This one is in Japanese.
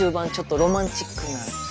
あロマンチックな！